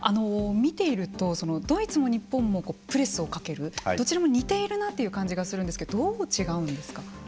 見ているとドイツも日本もプレスをかけるどちらも似ているなという感じがするんですけどどう違うんですか。